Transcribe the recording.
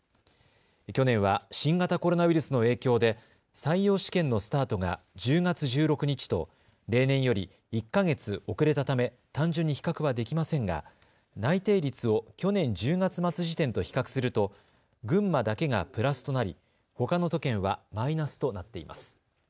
去年は新型コロナウイルスの影響で採用試験のスタートが１０月１６日と例年より１か月遅れたため単純に比較はできませんが内定率を去年１０月末時点と比較すると群馬だけがプラスとなりほかの都県はマイナスとなっています。